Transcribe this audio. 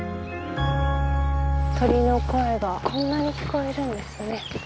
鳥の声がこんなに聞こえるんですね。